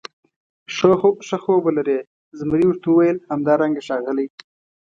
ښه خوب ولرې، زمري ورته وویل: همدارنګه ښاغلی.